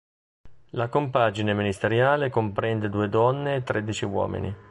La compagine ministeriale comprende due donne e tredici uomini.